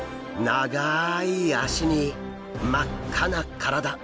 長い脚に真っ赤な体。